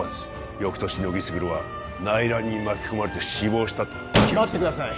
翌年乃木卓は内乱に巻き込まれて死亡したと記録され待ってください